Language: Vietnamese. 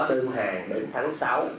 đơn hàng đến tháng sáu